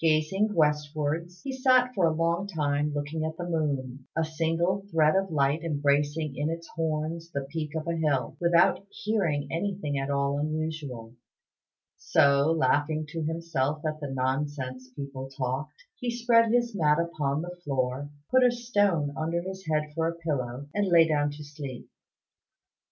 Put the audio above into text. Gazing westwards, he sat for a long time looking at the moon a single thread of light embracing in its horns the peak of a hill without hearing anything at all unusual; so, laughing to himself at the nonsense people talked, he spread his mat upon the floor, put a stone under his head for a pillow, and lay down to sleep.